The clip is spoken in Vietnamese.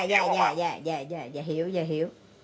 dạ dạ dạ dạ dạ dạ hiểu dạ hiểu